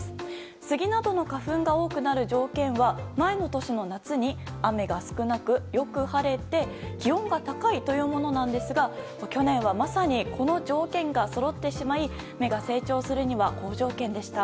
スギなどの花粉が多くなる条件は前の年の夏に雨が少なくよく晴れて気温が高いというものなんですが去年は、まさにこの条件がそろってしまい芽が成長するには好条件でした。